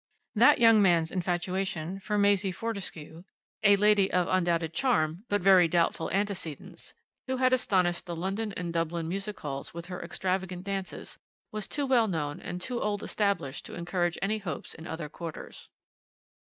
That young man's infatuation for Maisie Fortescue, a lady of undoubted charm but very doubtful antecedents, who had astonished the London and Dublin music halls with her extravagant dances, was too well known and too old established to encourage any hopes in other quarters.